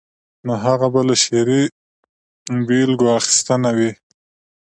نو هغه به له شعري بېلګو اخیستنه وي.